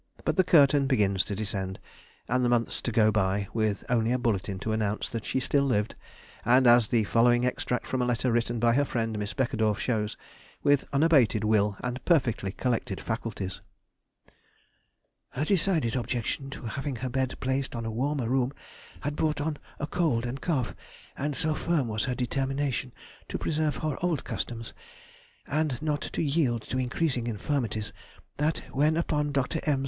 But the curtain begins to descend, and the months to go by with only a bulletin to announce that she still lived, and, as the following extract from a letter written by her friend Miss Beckedorff shows, with unabated will and perfectly collected faculties:— Her decided objection to having her bed placed in a warmer room had brought on a cold and cough, and so firm was her determination to preserve her old customs, and not to yield to increasing infirmities, that when, upon Dr. M.